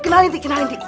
kenalin dikenalin di